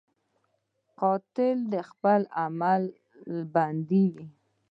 قاتل د خپل عمل بندي وي